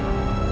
ini yang vertex